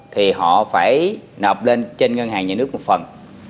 thì họ phải nộp lên trên ngân hàng nhà nước một phần